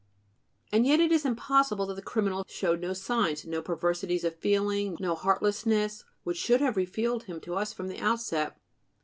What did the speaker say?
And yet it is impossible that the criminal showed no signs, no perversities of feeling, no heartlessness which should have revealed him to us from the outset.